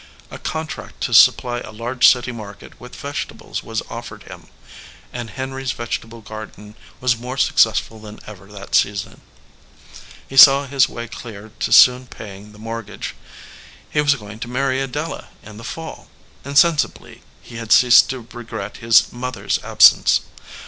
A contract to supply a large city market with vegetables was offered him, and Henry s vegetable garden was more successful than ever that season. He saw his way clear to soon paying the mortgage. He was going to marry Adela in the fall. Insensibly he had ceased to regret his mother s absence.